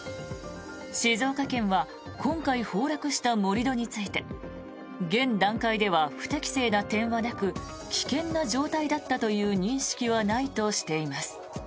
静岡県は今回崩落した盛り土について現段階では不適正な点はなく危険な状態だったという認識はないとしています。